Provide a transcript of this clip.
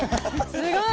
すごい！